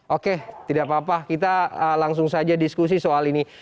oke tidak apa apa kita langsung saja diskusi soal ini